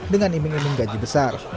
dengan iming iming gaji besar